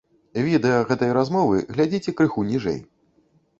Відэа гэтай размовы глядзіце крыху ніжэй.